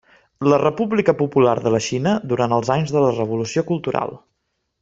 La República Popular de la Xina durant els anys de la Revolució Cultural.